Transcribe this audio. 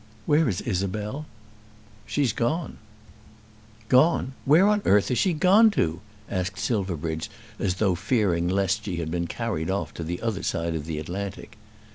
"Where is Isabel?" "She's gone." "Gone! Where on earth has she gone to?" asked Silverbridge, as though fearing lest she had been carried off to the other side of the Atlantic.